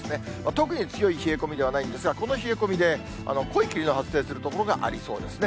特に、強い冷え込みではないんですが、この冷え込みで濃い霧の発生する所がありそうですね。